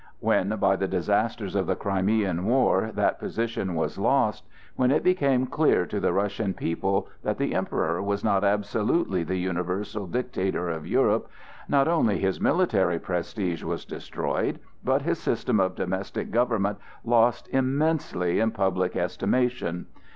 When by the disasters of the Crimean War that position was lost, when it became clear to the Russian people that the Emperor was not absolutely the universal dictator of Europe, not only his military prestige was destroyed, but his system of domestic government lost immensely in public estimation.